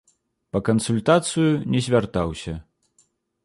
Па кансультацыю не звяртаўся.